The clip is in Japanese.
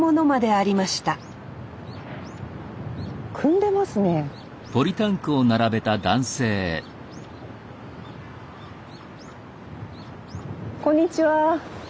あこんにちは。